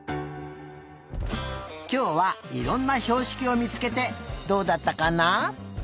きょうはいろんなひょうしきをみつけてどうだったかな？